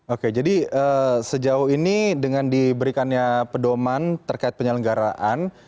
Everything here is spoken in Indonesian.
oke jadi sejauh ini dengan diberikannya pedoman terkait penyelenggaraan